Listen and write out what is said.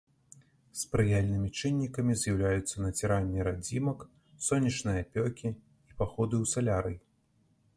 Спрыяльнымі чыннікамі з'яўляюцца націранне радзімак, сонечныя апёкі і паходы ў салярый.